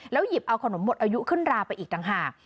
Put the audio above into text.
หยิบเอาขนมหมดอายุขึ้นราไปอีกต่างหาก